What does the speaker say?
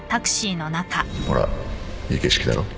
ほらいい景色だろ